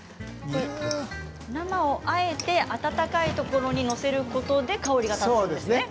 生をあえて温かいところに載せることで香りが立つんですね。